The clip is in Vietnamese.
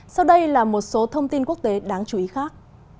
sau đây là một số thông tin quốc tế đáng chú ý khác